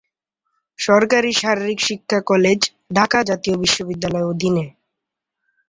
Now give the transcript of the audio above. সরকারি শারীরিক শিক্ষা কলেজ, ঢাকা জাতীয় বিশ্ববিদ্যালয়ের অধীনে।